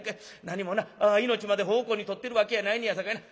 なにもな命まで奉公に取ってるわけやないねやさかいな。